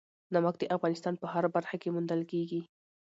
نمک د افغانستان په هره برخه کې موندل کېږي.